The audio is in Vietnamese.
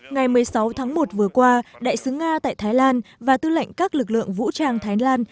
ngày một mươi sáu tháng một vừa qua đại sứ nga tại thái lan và tư lệnh các lực lượng vũ trang thái lan